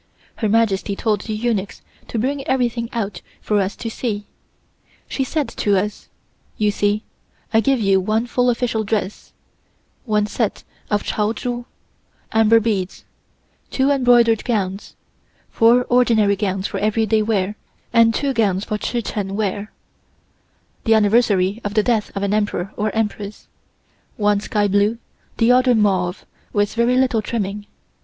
Her Majesty told the eunuchs to bring everything out for us to see. She said to us: "You see I give you one full official dress, one set of Chao Chu (amber heads), two embroidered gowns, four ordinary gowns for everyday wear, and two gowns for Chi Chen wear (the anniversary of the death of an Emperor or Empress), one sky blue, the other mauve, with very little trimming.